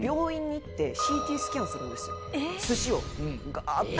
ガーッて。